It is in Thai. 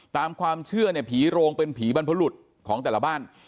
ตามความเชื่อเนี่ยผีโรงเป็นผีบรรพรุษของแต่ละบ้าน